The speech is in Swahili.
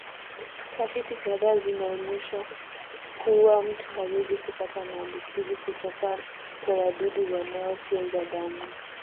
Tafiti kadhaa zinaonyesha kuwa mtu hawezi kupata maambukizi kutoka kwa wadudu wanaofyonza damu